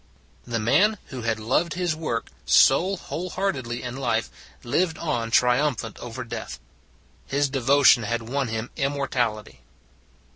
The man who had loved his work so whole heartedly in life lived on triumphant In Love with Your Job 185 over death. His devotion had won him immortality.